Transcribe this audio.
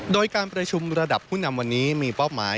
โดยการประชุมระดับผู้นำวันนี้มีเป้าหมาย